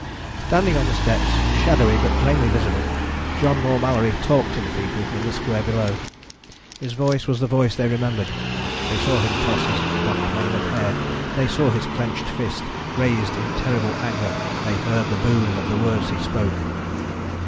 Standing on the steps, shadowy but plainly visible, John Moore Mallory talked to the people in the square below, and his voice was the voice they remembered. They saw him toss his black mane of hair, they saw his clenched fist raised in terrible anger, they heard the boom of the words he spoke.